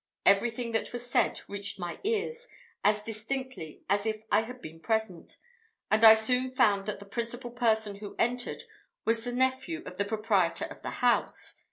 Everything that was said reached my ears as distinctly as if I had been present, and I soon found that the principal person who entered was the nephew of the proprietor of the house.